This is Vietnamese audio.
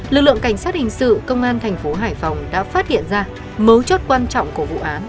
lực lượng cảnh sát hình sự công an thành phố hải phòng đã phát hiện ra mấu chốt quan trọng của vụ án